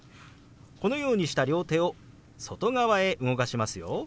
このようにした両手を外側へ動かしますよ。